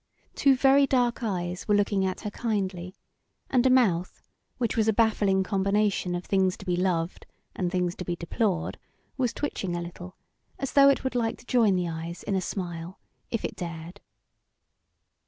Two very dark eyes were looking at her kindly, and a mouth which was a baffling combination of things to be loved and things to be deplored was twitching a little, as though it would like to join the eyes in a smile, if it dared.